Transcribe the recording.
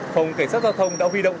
phòng cảnh sát giao thông đã huy động